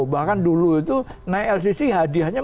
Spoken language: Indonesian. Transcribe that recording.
bahkan dulu itu naik lcc hadiahnya